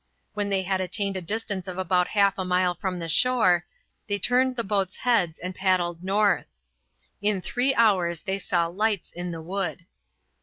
When they had attained a distance of about half a mile from the shore they turned the boats heads and paddled north. In three hours they saw lights in the wood.